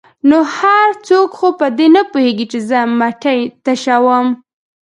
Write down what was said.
ـ نو هر څوک خو په دې نه پوهېږي چې زه مټۍ تشوم.